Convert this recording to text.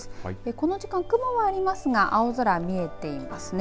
この時間、雲はありますが青空見えていますね。